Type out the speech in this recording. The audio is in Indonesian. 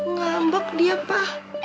ngambok dia pa